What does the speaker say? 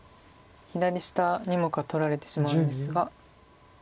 左下２目は取られてしまうんですが。